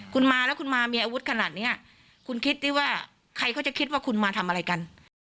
คุณมาแล้วคุณมามีอาวุธขนาดเนี้ยคุณคิดสิว่าใครเขาจะคิดว่าคุณมาทำอะไรกัน